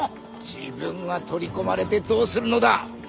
自分が取り込まれてどうするのだ。